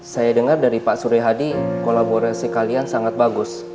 saya dengar dari pak surya hadi kolaborasi kalian sangat bagus